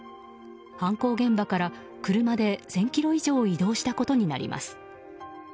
犯行現場から車で１０００ｋｍ以上移動したことになります。